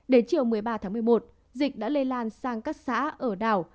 đến chiều một mươi ba tháng một mươi một dịch đã lây lan sang các xã ở đảo